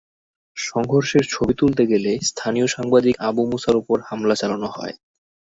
সংঘর্ষের ছবি তুলতে গেলে স্থানীয় সাংবাদিক আবু মুসার ওপর হামলা চালানো হয়।